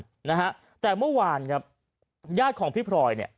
เจอกันนะคะแต่เมื่อวานเนี่ยญาติของพี่พรอยเนี่ย